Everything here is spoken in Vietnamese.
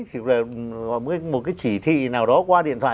chỉ là một cái chỉ thị nào đó qua điện thoại